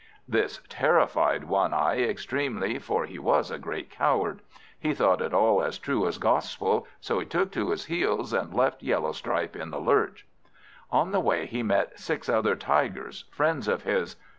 This terrified One eye extremely, for he was a great coward. He thought it all as true as gospel, so he took to his heels, and left Yellowstripe in the lurch. On the way, he met six other Tigers, friends of his.